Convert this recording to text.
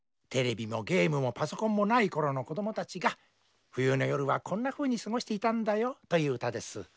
テレビもゲームもパソコンもないころの子供たちが冬の夜はこんなふうにすごしていたんだよという歌です。